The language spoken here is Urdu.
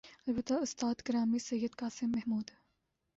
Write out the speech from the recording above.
البتہ استاد گرامی سید قاسم محمود